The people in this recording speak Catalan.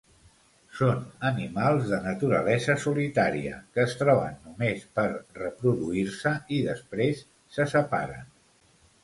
Són animals de naturalesa solitària que es troben només per reproduir-se i després se separen.